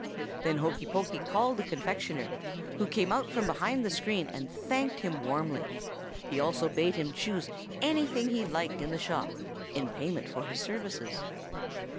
Then Hokey Pokey called the confectioner, who came out from behind the screen and thanked him warmly; he also bade him choose anything he liked in the shop, in payment for his services.